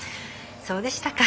そうでしたか。